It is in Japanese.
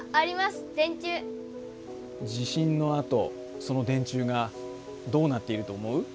地震のあとその電柱がどうなっていると思う？